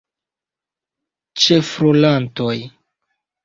Ĉefrolantoj.